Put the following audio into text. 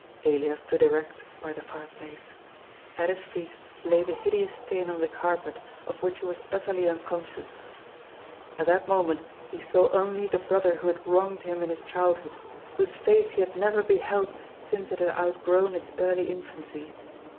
Elias stood erect by the fireplace. At his feet lay the 446 GOJ^'S FOOL. hideooB Btain on the carpet, of which he was ntterly uncon Bcioiu. At that moment he saw only the brother who had wronged him in his childhood, whose face he had never be held since it had outgrown its early infancy.